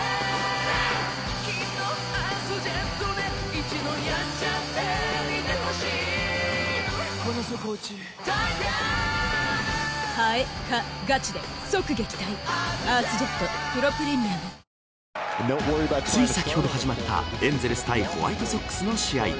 湿度も高いですからつい先ほど始まったエンゼルス対ホワイトソックスの試合。